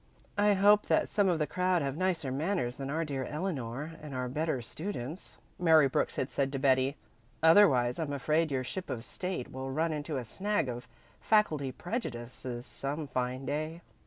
"I hope that some of the crowd have nicer manners than our dear Eleanor and are better students," Mary Brooks had said to Betty. "Otherwise I'm afraid your ship of state will run into a snag of faculty prejudices some fine day."